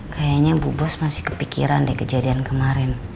kayanya ibu bos masih kepikiran deh kejadian kemarin